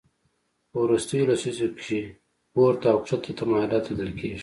په وروستیو لسیزو کې پورته او کښته تمایلات لیدل کېږي